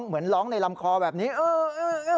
เหมือนร้องในลำคอแบบนี้เออเออเออเออ